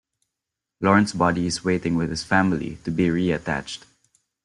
Lorne's body is waiting with his family to be reattached.